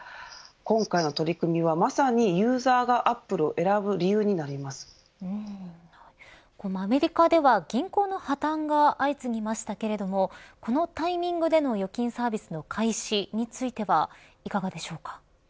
今回の取り組みはまさにユーザーがアップルを選ぶアメリカでは銀行の破綻が相次ぎましたけれどもこのタイミングでの預金サービスの開始についてはいかがでしょうか。